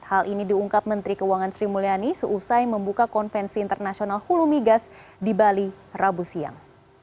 hal ini diungkap menteri keuangan sri mulyani seusai membuka konvensi internasional hulu migas di bali rabu siang